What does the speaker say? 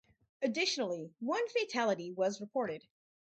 Additionally, one fatality was reported.